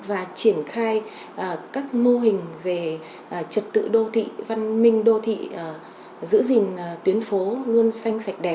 và triển khai các mô hình về trật tự đô thị văn minh đô thị giữ gìn tuyến phố luôn xanh sạch đẹp